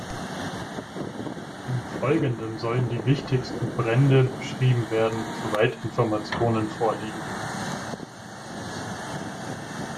Im Folgenden sollen die wichtigsten Brände beschrieben werden, soweit Informationen vorliegen.